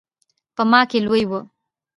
په ما کې لوی و.